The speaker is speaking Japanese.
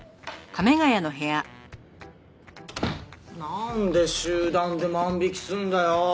なんで集団で万引きするんだよ。